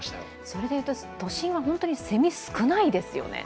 それで言うと都心は本当にセミが少ないですよね。